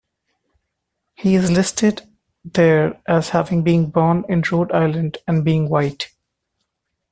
He is listed there as having been born in Rhode Island and being white.